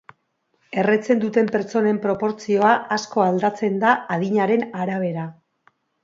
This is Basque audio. Erretzen duten pertsonen proportzioa asko aldatzen da adinaren arabera.